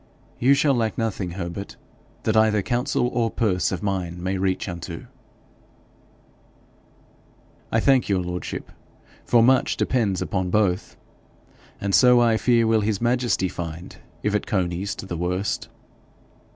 'You shall lack nothing, Herbert, that either counsel or purse of mine may reach unto.' 'I thank your lordship, for much depends upon both. And so I fear will his majesty find if it conies to the worst.'